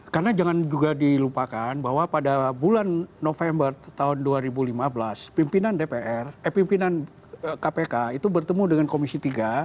karena jangan juga dilupakan bahwa pada bulan november tahun dua ribu lima belas pimpinan kpk itu bertemu dengan komisi tiga